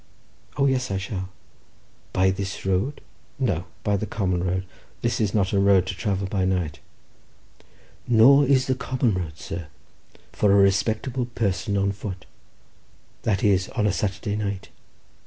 "O yes, I shall!" "By this road?" "No, by the common road. This is not a road to travel by night." "Nor is the common road, sir, for a respectable person on foot; that is, on a Saturday night.